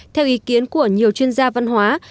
theo ý kiến của nhiều chuyên gia văn hóa